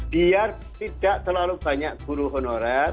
biar tidak terlalu banyak guru honorer